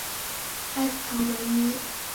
埃斯唐德伊。